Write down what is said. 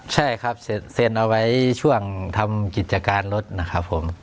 ใช่ครับเซ็นเอาไว้ช่วงทำกิจการรถนะครับผม